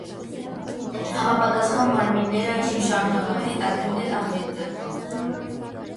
Համապատասխան մարմինները այժմ շարունակում են հետաքննել աղետը։